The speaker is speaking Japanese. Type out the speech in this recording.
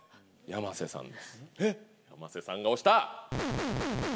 山瀬さんが押した。